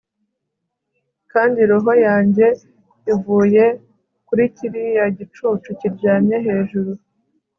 kandi roho yanjye ivuye muri kiriya gicucu kiryamye hejuru